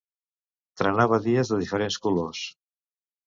Trenar badies de diferents colors.